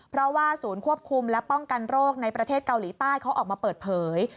เพราะว่าศูนย์ควบคุมและป้องกันโรคในประเทศเกาหลีใต้เขาออกมาเปิดเผย